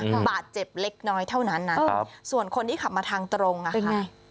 บาดเจ็บเล็กน้อยเท่านั้นนะครับส่วนคนที่ขับมาทางตรงอ่ะค่ะ